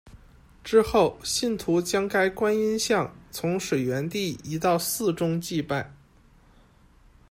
之后，信徒将该观音像从水源地移到寺中祭拜。